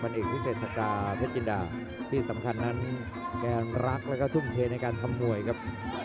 บันเอกสัตว์ดาเพชรจินดาที่สำคัญการรักและทุ่มเทในการทำมวยครับ